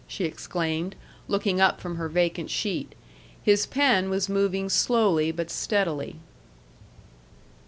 she exclaimed, looking up from her vacant sheet. His pen was moving slowly, but steadily.